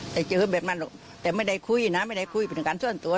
แต่เจอแบบนั้นหรอกแต่ไม่ได้คุยนะไม่ได้คุยเป็นการส่วนตัว